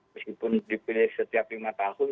meskipun dipilih setiap lima tahun